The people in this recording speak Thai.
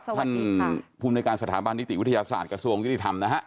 ท่านภูมิในการสถาบันนิติวิทยาศาสตร์กระทรวงยุติธรรมนะฮะ